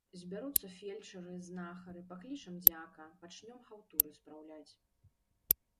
Збяруцца фельчары, знахары, паклічам дзяка, пачнём хаўтуры спраўляць.